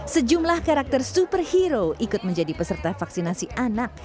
sejumlah karakter superhero ikut menjadi peserta vaksinasi anak